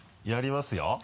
やりますよ。